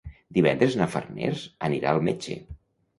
Divendres na Farners anirà al metge.